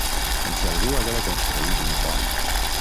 Com si algú haguera construït un pont!